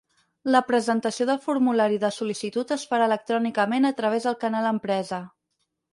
La presentació del formulari de sol·licitud es farà electrònicament a través del Canal Empresa.